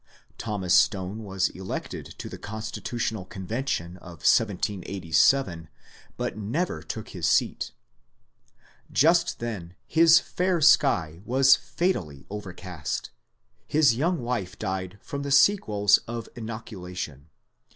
Thomas Stone was elected to the Constitutional Convention of 1787, but never took his seat. Just then his fair sky was fatally overcast ; his young wife died from the sequels of inoculation.